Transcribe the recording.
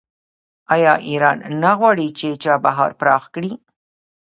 آیا ایران نه غواړي چابهار پراخ کړي؟